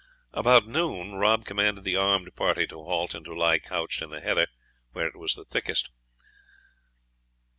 About noon Rob commanded the armed party to halt, and to lie couched in the heather where it was thickest.